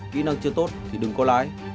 kỹ năng chưa tốt thì đừng có lái